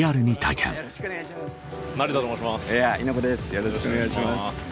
よろしくお願いします。